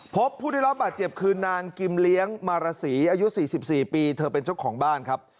พบผู้ได้รับบาดเจ็บคือนางกิมเลี้ยงมารสีอายุ๔๔ปีเธอเป็นเจ้าของบ้านครับ